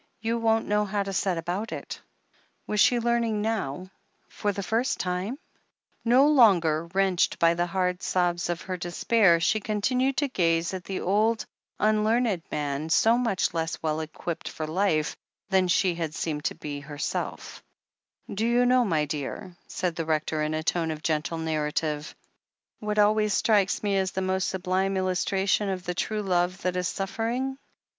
. you won't know how to set about it " Was she learning now — for the first time ? No longer wrenched by the hard sobs of her despair, she continued to gaze at the old, unlearned man, so much less well equipped for life than she had seemed to herself to be. "Do you know, my dear," said the Rector in a tone of gentle narrative, "what always strikes me as the most sublime illustration of the true love that is suffer ing?